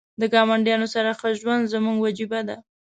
د ګاونډیانو سره ښه ژوند زموږ وجیبه ده .